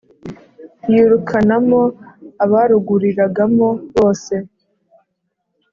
yirukanamo abaruguriragamo bose